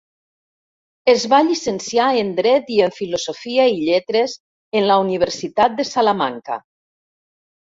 Es va llicenciar en Dret i en Filosofia i Lletres en la Universitat de Salamanca.